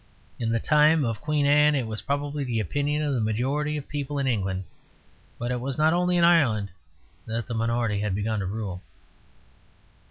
In the time of Queen Anne it was probably the opinion of the majority of people in England. But it was not only in Ireland that the minority had begun to rule.